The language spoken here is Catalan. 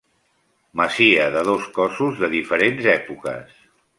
Masia de dos cossos de diferents èpoques.